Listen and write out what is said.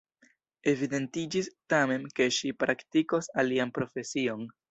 Evidentiĝis, tamen, ke ŝi praktikos alian profesion.